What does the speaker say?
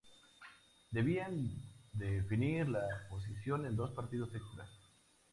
Debían definir la posición en dos partidos extras.